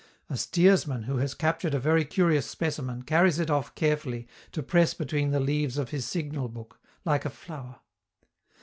A steersman who has captured a very curious specimen carries it off carefully to press between the leaves of his signal book, like a flower.